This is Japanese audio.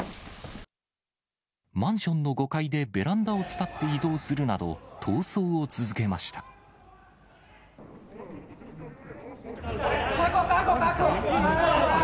マンションの５階でベランダを伝って移動するなど、逃走を続けま確保、確保。